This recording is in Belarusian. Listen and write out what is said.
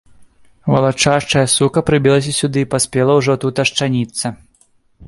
Валачашчая сука прыбілася сюды і паспела ўжо тут ашчаніцца.